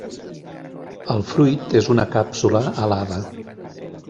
El fruit és una càpsula alada.